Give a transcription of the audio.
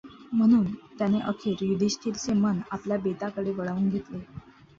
म्हणून त्याने अखेर युधिष्ठिराचे मन आपल्या बेताकडे वळवून घेतले.